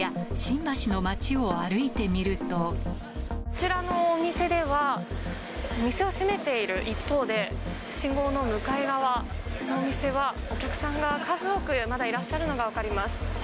昨夜、こちらのお店では、店を閉めている一方で、信号の向かい側、この店はお客さんが数多くまだいらっしゃるのが分かります。